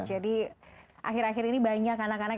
jadi akhir akhir ini banyak anak anak